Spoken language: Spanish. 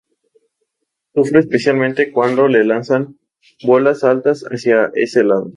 Sufre especialmente cuando le lanzan bolas altas hacia ese lado.